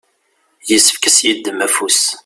yessefk ad s-yeddem afus.